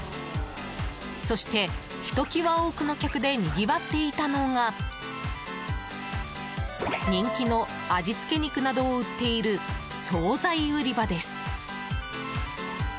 そして、ひと際多くの客でにぎわっていたのが人気の味付け肉などを売っている総菜売り場です。